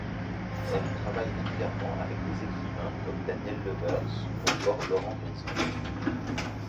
Elle travaille régulièrement avec des écrivains comme Daniel Leuwers ou encore Laurent Grison.